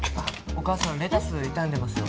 お母さんレタス傷んでますよ。